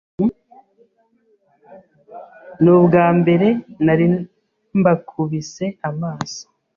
ni ubwa mbere nari mbakubise amaso